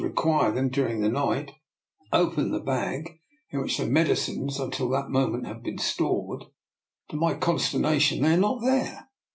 require them during the night, open the bag in which the medicines until that moment had been stored. To my consternation they are not there.